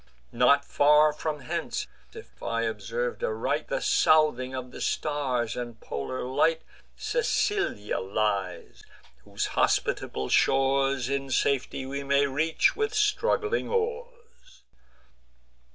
Not far from hence, if I observ'd aright The southing of the stars, and polar light, Sicilia lies, whose hospitable shores In safety we may reach with struggling oars."